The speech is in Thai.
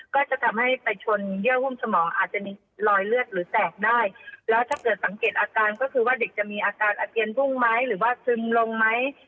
ก็จะทำให้ไปชนเยื่อหุ้มสมองอาจจะมีรอยเลือดหรือแตกได้แล้วถ้าเกิดสังเกตอาการก็คือว่าเด็กจะมีอาการอาเจียนบุ้งไหมหรือว่าซึมลงไหม